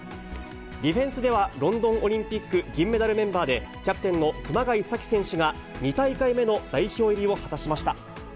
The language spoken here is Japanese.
ディフェンスではロンドンオリンピック銀メダルメンバーで、キャプテンの熊谷紗希選手が、２大会目の代表入りを果たしました。